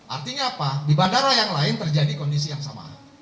artinya apa di bandara yang lain terjadi kondisi yang sama